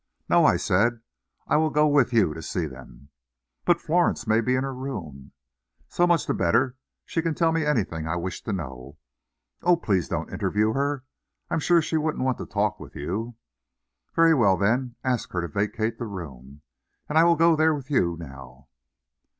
"No," I said, "I will go with you to see them." "But Florence may be in her room." "So much the better. She can tell me anything I wish to know." "Oh, please don't interview her! I'm sure she wouldn't want to talk with you." "Very well, then ask her to vacate the room, and I will go there with you now."